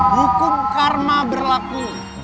hukum karma berlaku